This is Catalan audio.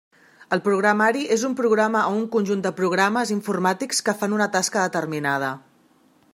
El programari és un programa o un conjunt de programes informàtics que fan una tasca determinada.